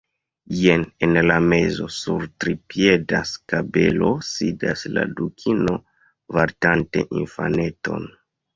Jen en la mezo, sur tripieda skabelo sidas la Dukino vartante infaneton.